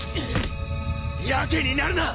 やけになるな！